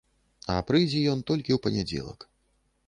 А прыйдзе ён толькі ў панядзелак.